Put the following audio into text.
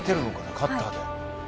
カッターで。